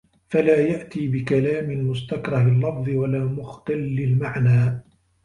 فَلَا يَأْتِيَ بِكَلَامٍ مُسْتَكْرَهِ اللَّفْظِ وَلَا مُخْتَلِّ الْمَعْنَى